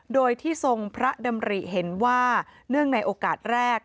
โดยที่ทรงพระดำริเห็นว่าเนื่องในโอกาสแรก